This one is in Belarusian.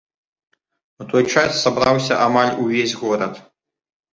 У той час сабраўся амаль увесь горад.